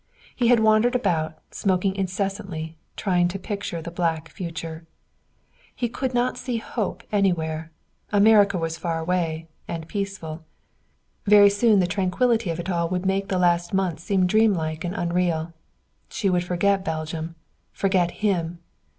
He had wandered about, smoking incessantly, trying to picture the black future. He could see no hope anywhere. America was far away, and peaceful. Very soon the tranquillity of it all would make the last months seem dreamlike and unreal. She would forget Belgium, forget him.